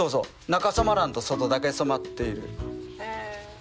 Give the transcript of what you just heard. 中染まらんと外だけ染まっている。